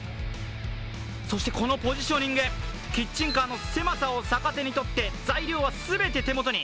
そして、このポジショニングキッチンカーの狭さを逆手にとって材料は全て手元に。